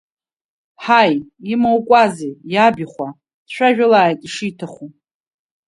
Ҳаи, имоукуазеи, иабихәа, дцәажәалааит ишиҭаху.